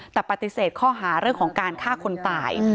แต่ปฏิเสธข้อหาเรื่องของการฆ่าคนตาย